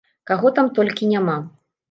Каго там толькі няма!